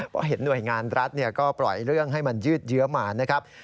เพราะเห็นหน่วยงานรัฐก็ปล่อยเรื่องให้มันยืดเยื้อมานะครับ